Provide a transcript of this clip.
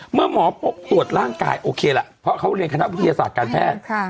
เมื่อหมอพบตรวจร่างกายโอเคล่ะเพราะเขาเรียนคณะวิทยาศาสตร์การแพทย์